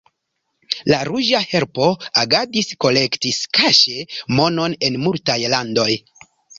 La Ruĝa Helpo agadis, kolektis kaŝe monon en multaj landoj.